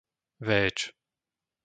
Véč